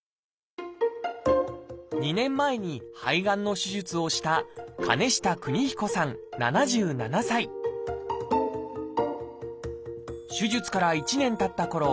２年前に肺がんの手術をした手術から１年たったころ